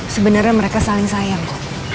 sebenarnya mereka saling sayang kok